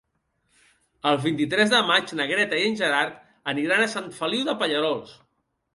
El vint-i-tres de maig na Greta i en Gerard aniran a Sant Feliu de Pallerols.